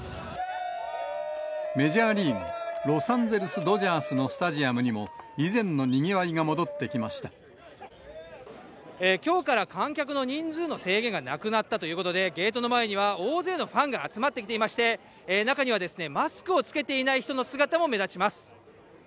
メジャーリーグ・ロサンゼルスドジャースのスタジアムにも、きょうから観客の人数の制限がなくなったということで、ゲートの前には大勢のファンが集まってきていまして、中には、マスクを着けていない人の姿も目立ちます。